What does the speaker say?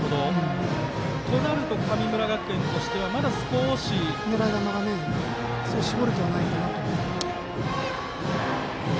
となると神村学園としては狙い球が絞れてはないかなと。